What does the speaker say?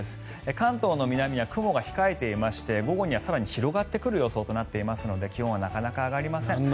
関東の南は雲が控えていまして午後には更にに広がってくる予想となっていますので気温はなかなか上がりません。